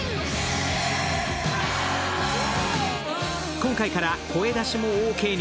今回から声出しもオーケーに。